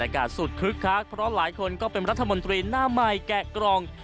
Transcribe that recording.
กระสุทธิ์ครึกคลักเพราะหลายคนก็เป็นรัฐมนตรีหน้าไมล์แกะกรอง